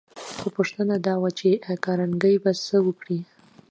خو پوښتنه دا وه چې کارنګي به څه وکړي